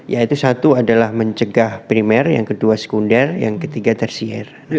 yaitu satu adalah mencegah primer yang kedua sekunder yang ketiga tersier